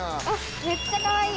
めっちゃかわいい！